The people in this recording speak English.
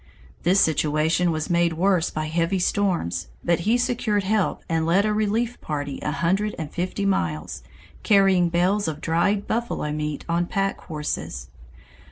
The situation was made worse by heavy storms, but he secured help and led a relief party a hundred and fifty miles, carrying bales of dried buffalo meat on pack horses.